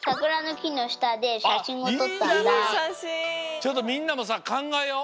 ちょっとみんなもさかんがえよう！